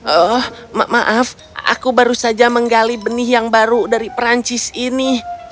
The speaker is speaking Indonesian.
oh maaf aku baru saja menggali benih yang baru dari perancis ini